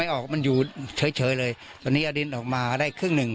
ไม่ออกมันอยู่เฉยเลยวันนี้อาหารดินมันออกมาได้ครึ่งหนึ่ง